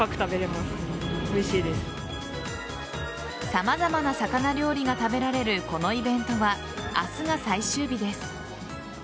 様々な魚料理が食べられるこのイベントは明日が最終日です。